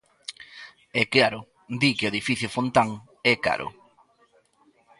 E claro, di que o edificio Fontán é caro.